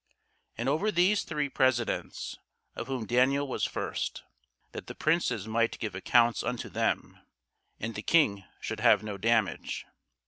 And over these three presidents; of whom Daniel was first: that the princes might give accounts unto them, and the King should have no damage.